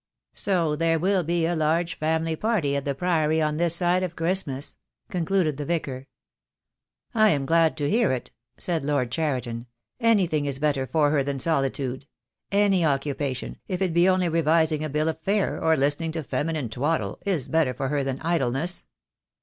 So there will be a large family party at the Priory on this side of Christmas/' concluded the Vicar. "I am glad to hear it," said Lord Cheriton. "Any thing is better for her than solitude; any occupation, if it be only revising a bill of fare, or listening to feminine twaddle, is better for her than idleness."